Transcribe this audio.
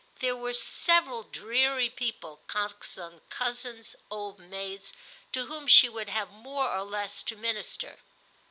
There were several dreary people, Coxon cousins, old maids, to whom she would have more or less to minister.